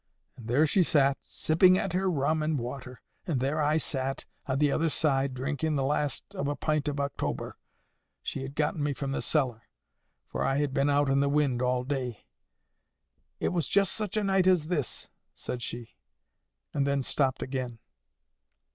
And there she sat, sipping at her rum and water; and there I sat, o' the other side, drinking the last of a pint of October, she had gotten me from the cellar—for I had been out in the wind all day. 'It was just such a night as this,' said she, and then stopped again.